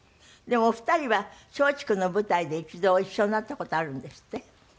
でもお二人は松竹の舞台で一度一緒になった事あるんですって？